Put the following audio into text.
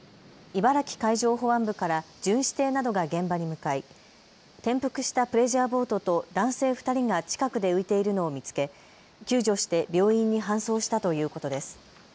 茨城海上保安部から巡視艇などが現場に向かい転覆したプレジャーボートと男性２人が近くで浮いているのを見つけ救助して病院に搬送したということです。